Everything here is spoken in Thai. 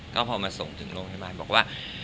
ก็พอมาส่งถึงโรงพยาบาลบอกว่า